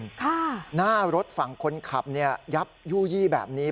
หน้ารถฝั่งคนขับเนี่ยยับยู่ยี่แบบนี้